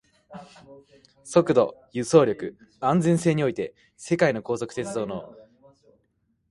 速度、輸送力、安全性において世界の高速鉄道の先駆けとなる存在である